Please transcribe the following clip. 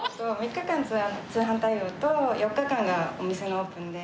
３日間通販対応と４日間がお店のオープンで。